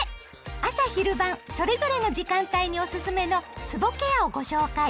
朝・昼・晩それぞれの時間帯におすすめのつぼケアをご紹介。